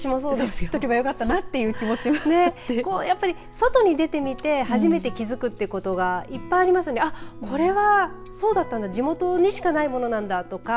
知っとけばよかったなって気持ちもあって外に出てみて初めて気付くということがいっぱいありますのでこれはそうだったんだ地元にしかないものなんだとか。